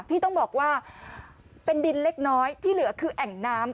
ที่ต้องบอกว่าเป็นดินเล็กน้อยที่เหลือคือแอ่งน้ำ